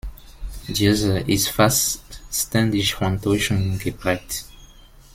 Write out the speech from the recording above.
Diese ist fast ständig von Täuschungen geprägt.